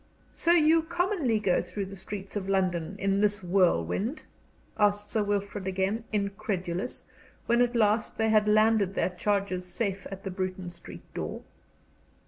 "So you commonly go through the streets of London in this whirlwind?" asked Sir Wilfrid, again, incredulous, when at last they had landed their charges safe at the Bruton Street door.